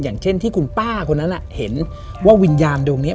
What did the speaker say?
อย่างเช่นที่คุณป้าคนนั้นเห็นว่าวิญญาณตรงนี้